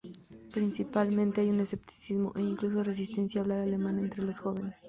Principalmente, hay un escepticismo, e incluso resistencia, a hablar alemán entre los jóvenes.